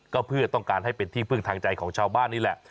ก็เพื่อต้องการให้เป็นที่พึ่งทางใจของชาวบ้านนี่แหละ